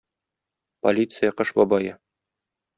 Полиция Кыш бабае